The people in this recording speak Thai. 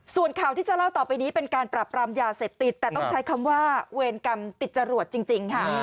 ส่วนข่าวที่จะเล่าต่อไปนี้เป็นการปรับปรามยาเสพติดแต่ต้องใช้คำว่าเวรกรรมติดจรวดจริงค่ะ